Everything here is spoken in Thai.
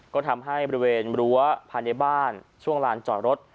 ก็ทำให้บริเวณรั้วภายในบ้านช่วงลานจอดรถ